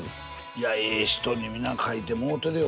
いやええ人に皆書いてもろうてるよ。